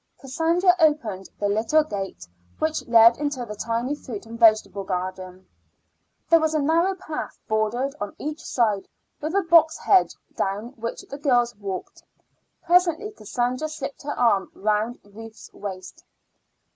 Cassandra opened the little gate which led into the tiny fruit and vegetable garden. There was a narrow path, bordered on each side with a box hedge, down which the girls walked. Presently Cassandra slipped her arm round Ruth's waist.